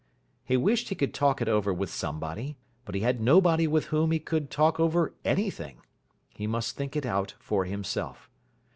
He wished he could talk it over with somebody. But he had nobody with whom he could talk over anything. He must think it out for himself.